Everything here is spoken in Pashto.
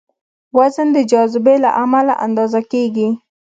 وزن د جاذبې له امله اندازه کېږي.